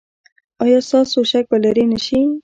ایا ستاسو شک به لرې نه شي؟